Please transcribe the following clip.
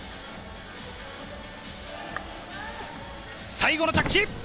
最後の着地。